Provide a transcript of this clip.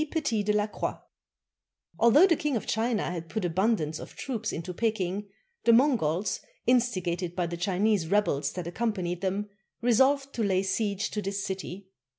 PETIS DE LA CROIX Although the King of China had put abundance of troops into Peking, the Mongols, instigated by the Chinese rebels that accompanied them, resolved to lay siege to this city.